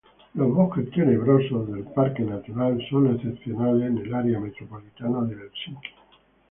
Los bosques tenebrosos del parque natural son excepcionales en el área metropolitana de Helsinki.